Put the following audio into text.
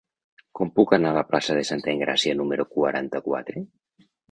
Com puc anar a la plaça de Santa Engràcia número quaranta-quatre?